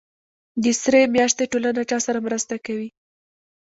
د سرې میاشتې ټولنه چا سره مرسته کوي؟